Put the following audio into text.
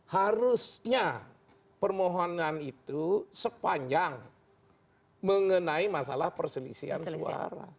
harusnya permohonan itu sepanjang mengenai masalah perselisihan suara